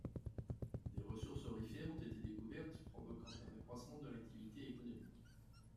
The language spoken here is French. Des ressources aurifères ont été découvertes provoquant un accroissement de l'activité économique.